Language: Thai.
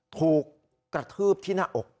ถูกกระทืบที่หน้าอก